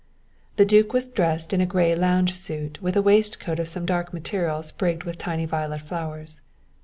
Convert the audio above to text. The duke was dressed in a grey lounge suit with a waistcoat of some dark material sprigged with tiny violet flowers.